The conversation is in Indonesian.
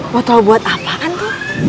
botol buat apa kan tuh